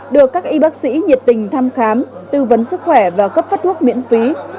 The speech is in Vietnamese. được các y bác sĩ nhiệt tình thăm khám tư vấn sức khỏe và cấp phát thuốc miễn phí